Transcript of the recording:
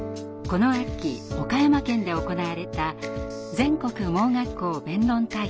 この秋岡山県で行われた全国盲学校弁論大会。